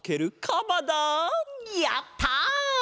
やった！